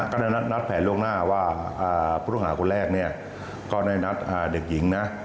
ก็ได้นัดแผนล่วงหน้าว่าผู้ต้องหาคนแรกเนี่ยก็ได้นัดเด็กหญิงนะ